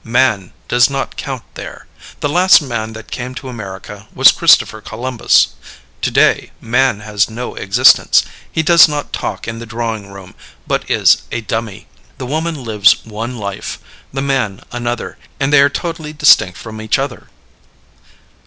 Man does not count there. The last man that came to America was Christopher Columbus. To day, man has no existence; he does not talk in the drawing room, but is a dummy. The woman lives one life, the man another, and they are totally distinct from each other.